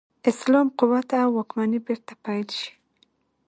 اسلام قوت او واکمني بیرته پیل شي.